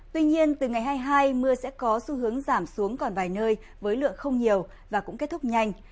tuy nhiên từ ngày hai mươi hai mưa sẽ có xu hướng giảm xuống còn vài nơi với lượng không nhiều và cũng kết thúc nhanh